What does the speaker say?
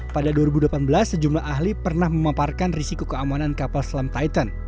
pada dua ribu delapan belas sejumlah ahli pernah memaparkan risiko keamanan kapal selam titan